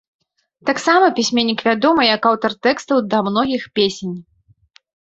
Таксама пісьменнік вядомы як аўтар тэкстаў да многіх песень.